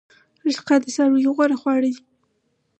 رشقه د څارویو غوره خواړه دي